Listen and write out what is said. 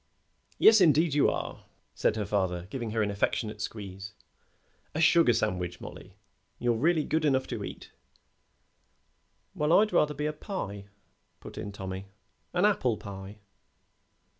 "Yes, indeed, you are," said her father, giving her an affectionate squeeze. "A sugar sandwich, Mollie. You're really good enough to eat." "Well, I'd rather be a pie," put in Tommy; "an apple pie."